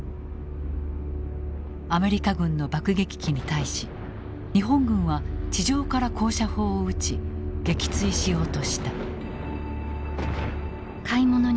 アメリカ軍の爆撃機に対し日本軍は地上から高射砲を撃ち撃墜しようとした。